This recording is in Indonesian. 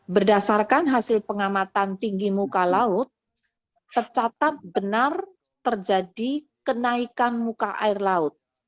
berdasarkan hasil pengamatan tinggi muka laut tercatat benar terjadi kenaikan muka air laut